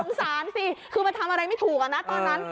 สารสิคือมันทำอะไรไม่ถูกอะนะตอนนั้น